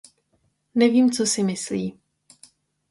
Nevím, co si myslí.